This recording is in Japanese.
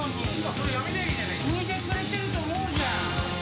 袋取ってくれてると思うじゃん。